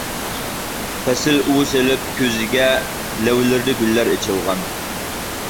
پەسىل ئۇۋا سېلىپ كۆزىگە، لەۋلىرىدە گۈللەر ئېچىلغان.